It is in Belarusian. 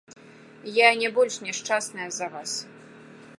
Я не больш няшчасная за вас.